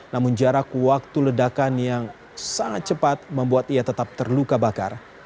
namun jarak waktu ledakan yang sangat cepat membuat ia tetap terluka bakar